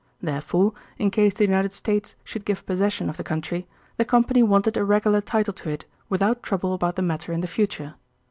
Therefore, in case the United States should give possession of the country, the Company wanted a regular title to it without trouble about the matter in the future.